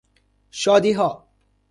شادیها